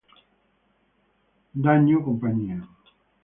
Damage, Inc.